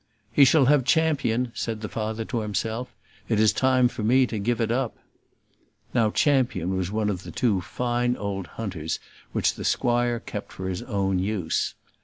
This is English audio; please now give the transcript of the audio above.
"He shall have Champion," said the father to himself. "It is time for me to give it up." Now Champion was one of the two fine old hunters which the squire kept for his own use.